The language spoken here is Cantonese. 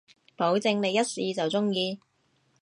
保證你一試就中意